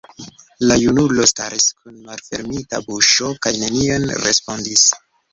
La junulo staris kun malfermita buŝo kaj nenion respondis.